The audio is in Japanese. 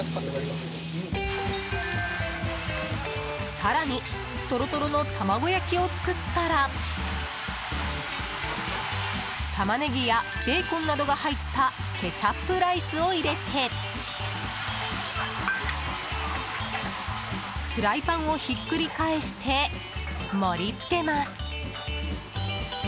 更にトロトロの卵焼きを作ったらタマネギやベーコンなどが入ったケチャップライスを入れてフライパンをひっくり返して盛り付けます。